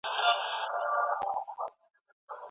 سياستوال تل خپل ټول امکانات نه کاروي.